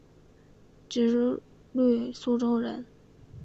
直隶苏州人。